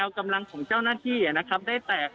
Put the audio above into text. เหลือเพียงกลุ่มเจ้าหน้าที่ตอนนี้ได้ทำการแตกกลุ่มออกมาแล้วนะครับ